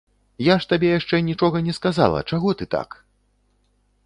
Я ж табе яшчэ нічога не сказала, чаго ты так!